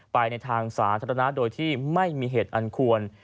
ไปในทางสาธารณะโดยที่ไม่มีเหตุอันควร